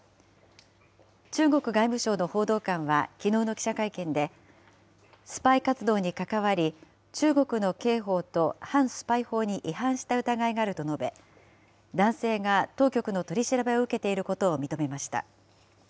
中国外務省の報道官はきのうの記者会見で、スパイ活動に関わり、中国の刑法と反スパイ法に違反した疑いがあると述べ、男性が当局の取り調べを受けていることを認めました。